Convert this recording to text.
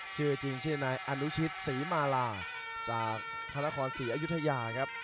ชื่อจริงชื่อนายอนุชิตศรีมาลาจากพระนครศรีอยุธยาครับ